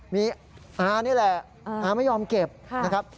มีอานี่แหละอาไม่ยอมเก็บนะครับ